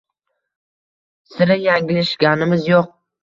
Sira yanglishganimiz yo‘q.